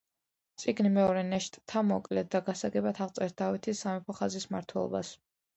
წიგნი „მეორე ნეშტთა“ მოკლედ და გასაგებად აღწერს დავითის სამეფო ხაზის მმართველობას.